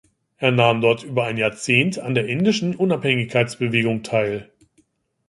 Er nahm dort über ein Jahrzehnt an der indischen Unabhängigkeitsbewegung teil.